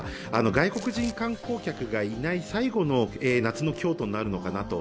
外国人観光客がいない最後の夏の京都になるのかなと。